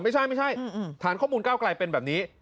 ไม่ใช่ฐานข้อมูลเก้าไกล่เป็นแบบนี้